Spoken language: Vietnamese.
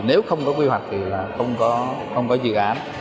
nếu không có quy hoạch thì không có dự án